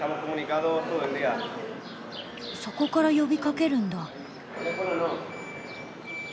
そこから呼びかけるんだ。